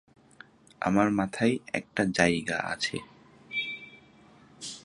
আমার মাথায় একটা জায়গা আছে।